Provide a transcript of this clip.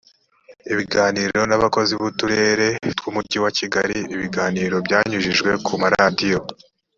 ibiganiro n abakozi b uturere tw umujyi wa kigali ibiganiro byanyujijwe ku maradiyo